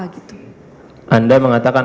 gitu anda mengatakan